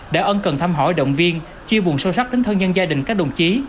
đã ân cần thăm hỏi động viên chia buồn sâu sắc đến thân nhân gia đình các đồng chí